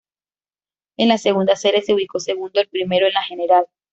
En la segunda serie se ubicó segundo y primero en la general.